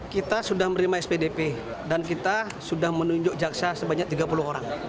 kita sudah menerima spdp dan kita sudah menunjuk jaksa sebanyak tiga puluh orang